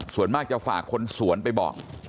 ส่วนมากจะฝากคนสวนไปบอก